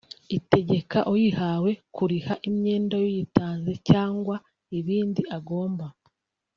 itegeka uyihawe kuriha imyenda y’uyitanze cyangwa ibindi agomba